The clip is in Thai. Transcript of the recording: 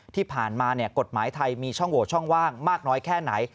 ที่ผ่านมากฎหมายไทยมีช่องโหวตช่องว่างมากน้อยแค่ไหน